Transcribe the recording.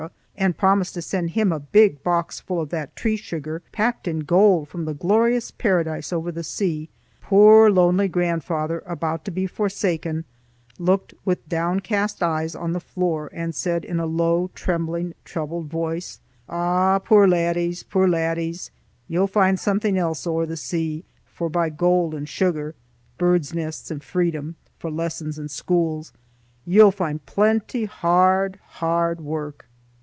and promised to send him a big box full of that tree sugar packed in gold from the glorious paradise over the sea, poor lonely grandfather, about to be forsaken, looked with downcast eyes on the floor and said in a low, trembling, troubled voice, "Ah, poor laddies, poor laddies, you'll find something else ower the sea forbye gold and sugar, birds' nests and freedom fra lessons and schools. You'll find plenty hard, hard work."